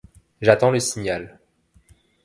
J’attends le signal.